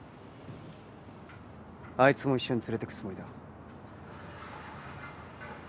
あいつも一緒に連れてくつもりだ。